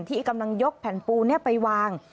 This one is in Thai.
ที่กำลังยกแผ่นปูไปวาง